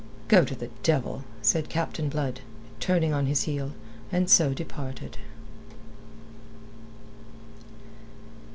"Go to the devil," said Captain Blood, turning on his heel, and so departed.